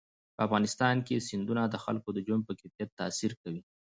په افغانستان کې سیندونه د خلکو د ژوند په کیفیت تاثیر کوي.